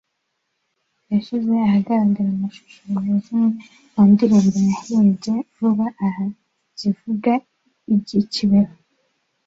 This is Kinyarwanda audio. yashyize ahagaragara amashusho ya zimwe mu ndirimbo yahimbye vuba aha zivuga iby’i Kibeho